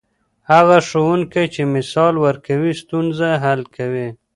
هغه ښوونکی چې مثال ورکوي، ستونزه حل کوي.